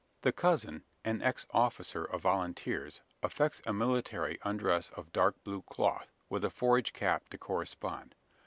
The cousin, an ex officer of volunteers, affects a military undress of dark blue cloth, with a forage cap to correspond.